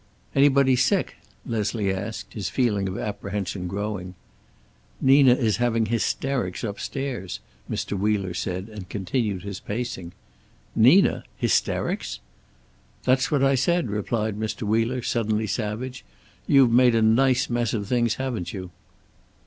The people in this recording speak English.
"Anybody sick?" Leslie asked, his feeling of apprehension growing. "Nina is having hysterics upstairs," Mr. Wheeler said, and continued his pacing. "Nina! Hysterics?" "That's what I said," replied Mr. Wheeler, suddenly savage. "You've made a nice mess of things, haven't you?"